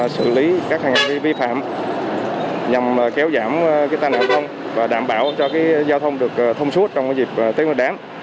xử lý các hành vi vi phạm nhằm kéo giảm tai nạn giao thông và đảm bảo cho giao thông được thông suốt trong dịp tết nguyên đáng